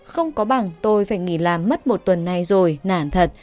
không có bằng tôi phải nghỉ làm mất một tuần nay rồi nản thật